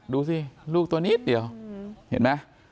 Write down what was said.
ดูสิลูกตัวนิดเดียวเห็นไหม